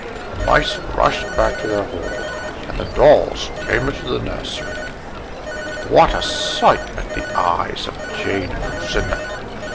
The mice rushed back to their hole, and the dolls came into the nursery. What a sight met the eyes of Jane and Lucinda!